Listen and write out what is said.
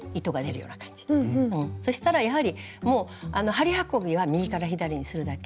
そしたらやはりもう針運びは右から左にするだけ。